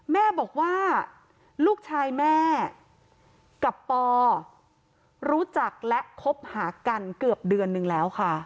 แม่บอกว่าลูกชายแม่กับปอรู้จักและคบหากันเกือบเดือนนึงแล้วค่ะ